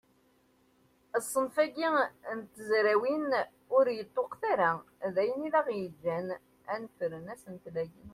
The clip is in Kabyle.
Ṣṣenf-agi n tezrawin ur yeṭṭuqet ara, d ayen aɣ-yeǧǧen ad d-nefren asentel-agi.